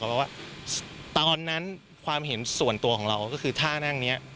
เพราะว่าตอนนั้นความเห็นส่วนตัวของเราก็คือท่านั่งนี้